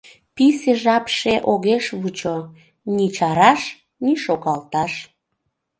Писе жапше огеш вучо, Ни чараш, ни шогалташ.